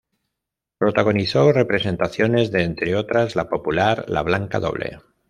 Protagonizó representaciones de, entre otras, la popular "La blanca doble".